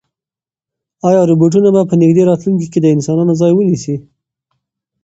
ایا روبوټونه به په نږدې راتلونکي کې د انسانانو ځای ونیسي؟